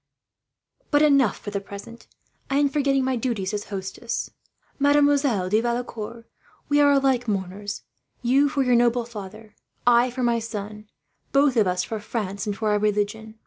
"But enough, for the present. I am forgetting my duties as hostess. Mademoiselle de Valecourt, we are alike mourners you for your noble father, I for my son, both of us for France and for our religion.